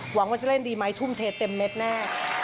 หวังว่าจะเล่นดีไหมทุ่มเทเต็มเม็ดแน่